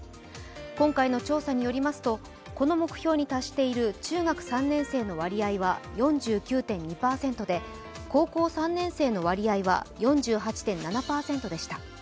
今回の調査によりますと、この目標に達している中学３年生の割合は４９．２％で、高校３年生の割合は４８．７％でした。